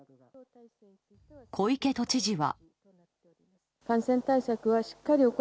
小池都知事は。